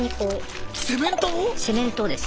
セメントをです。